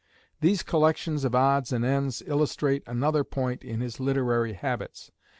These collections of odds and ends illustrate another point in his literary habits.